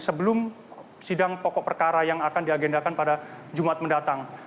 sebelum sidang pokok perkara yang akan diagendakan pada jumat mendatang